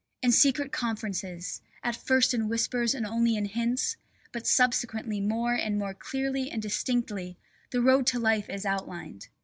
In secret conferences, at first in whispers and only in hints, but subsequently more and more clearly and distinctly, the road to life is outlined.